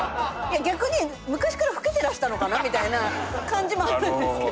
逆に昔から老けてらしたのかなみたいな感じもあるんですけど。